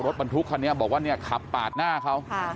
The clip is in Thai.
มีคุณมาเอารถปันทุกคันนี้บอกว่าขับปาดหน้าเขา